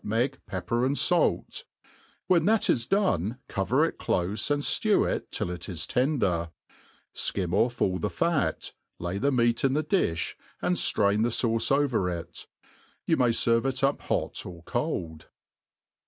™^g> P^PP^ ^^^ ^^It ; when that is done, cover it clofe, and ftew it till it is tender, fkim off all the fat, lay the meat in the difii, and ftrain the fauce over it. You may ferve it up hot ox cold.